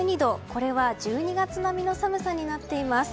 これは１２月並みの寒さになっています。